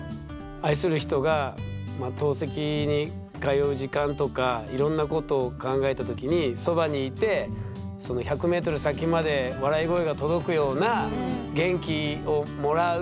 愛する人が透析に通う時間とかいろんなことを考えた時にそばにいて１００ｍ先まで笑い声が届くような元気をもらう人でいてほしい。